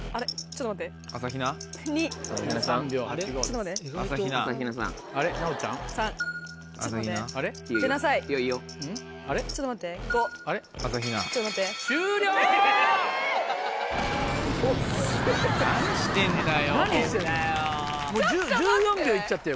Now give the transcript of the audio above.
ちょっと待って。